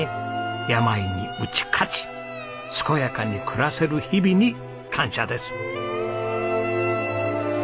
病に打ち勝ち健やかに暮らせる日々に感謝です。